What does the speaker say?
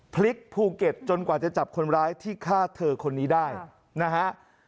ภูเก็ตจนกว่าจะจับคนร้ายที่ฆ่าเธอคนนี้ได้นะฮะ